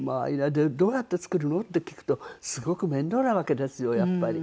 で「どうやって作るの？」って聞くとすごく面倒なわけですよやっぱり。